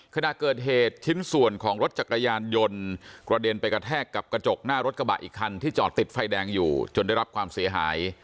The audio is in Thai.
ขณะเกิดเหตุชิ้นส่วนของรถจักรยานยนต์กระเด็นไปกระแทกกับกระจกหน้ารถกระบะอีกคันที่จอดติดไฟแดงอยู่จนได้รับความเสียหาย